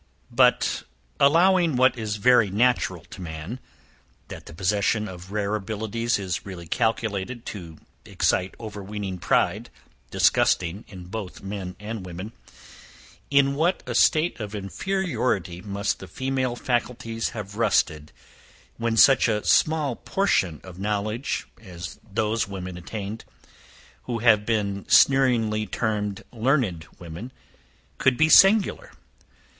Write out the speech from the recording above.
But, allowing what is very natural to man that the possession of rare abilities is really calculated to excite over weening pride, disgusting in both men and women in what a state of inferiority must the female faculties have rusted when such a small portion of knowledge as those women attained, who have sneeringly been termed learned women, could be singular?